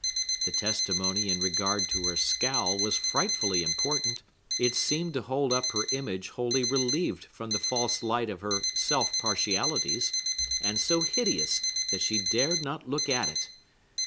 The testimony in regard to her scowl was frightfully important; it seemed to hold up her image wholly relieved from the false light of her self partialities, and so hideous that she dared not look at it.